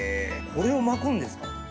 これを巻くんですか。